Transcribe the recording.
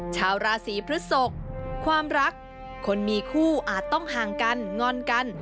ชาวราศีพฤศกความรักคนมีคู่อาจต้องห่างกันงอนกัน